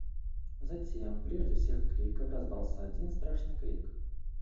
Затем, прежде всех криков, раздался один страшный крик.